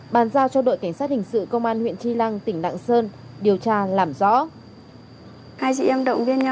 bàn giao cho đội cảnh sát hình sự công an huyện tri lăng tỉnh lạng sơn điều tra làm rõ